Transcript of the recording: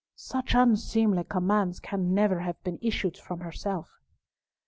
Such unseemly commands can never have been issued from herself."